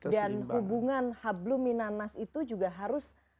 dan hubungan hablu minan nas itu juga harus